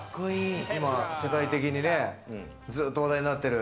今世界的にね、ずっと話題になってる。